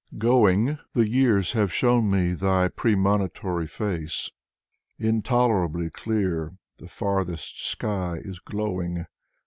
Going, The years have shown me Thy premonitory face. Intolerably clear, the farthest sky is glowing.